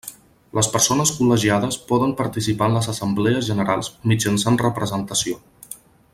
Les persones col·legiades poden participar en les assemblees generals mitjançant representació.